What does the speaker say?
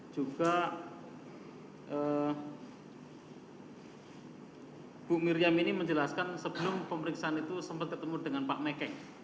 juga bu miriam ini menjelaskan sebelum pemeriksaan itu sempat ketemu dengan pak mekek